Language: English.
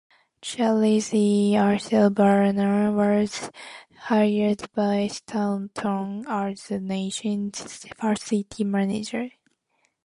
Charles E. Ashburner was hired by Staunton as the nation's first city manager.